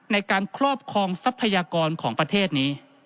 ในการครอบครองทรัพยากรของประเทศนี้